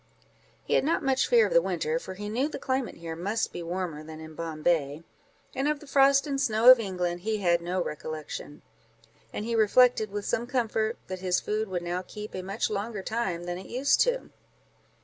He had not much fear of the winter, for he knew the climate here must be warmer than in Bombay; and of the frost and snow of England, he had no recollection; and he reflected, with some comfort, that his food would now keep a much longer time than it used to do.